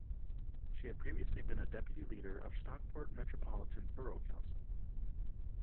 She had previously been a deputy leader of Stockport Metropolitan Borough Council.